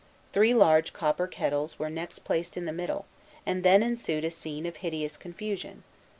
Three large copper kettles were next placed in the middle, and then ensued a scene of hideous confusion.